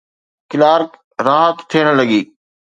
Clerk راحت ٿيڻ لڳي.